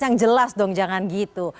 yang jelas dong jangan gitu